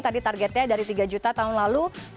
tadi targetnya dari tiga juta tahun lalu